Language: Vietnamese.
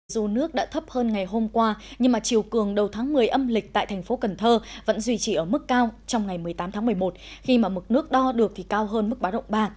dù nước đã thấp hơn ngày hôm qua nhưng mà chiều cường đầu tháng một mươi âm lịch tại thành phố cần thơ vẫn duy trì ở mức cao trong ngày một mươi tám tháng một mươi một khi mà mực nước đo được thì cao hơn mức bá động ba